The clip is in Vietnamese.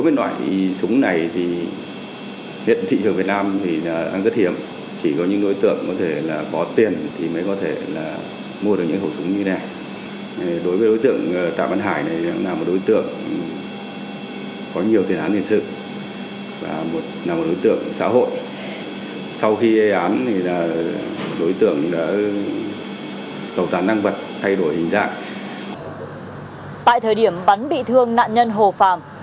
tại thời điểm bắn bị thương nạn nhân hồ phạm